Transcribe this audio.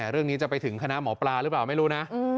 เรื่องนี้จะไปถึงคณะหมอปลาหรือเปล่าไม่รู้นะ